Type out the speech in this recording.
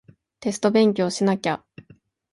テスト勉強しなきゃ